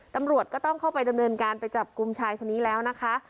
ตำรวจก็ต้องเข้าไปดำเนินการไปจับกลุ่มชายคนนี้แล้วนะคะ